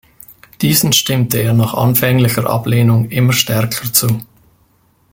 Diesen stimmte er nach anfänglicher Ablehnung immer stärker zu.